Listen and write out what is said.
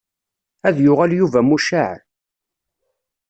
Ad yuɣal Yuba mucaɛ.